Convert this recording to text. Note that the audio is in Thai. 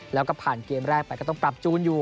แล้วก็ผ่านเกมแรกไปก็ต้องปรับจูนอยู่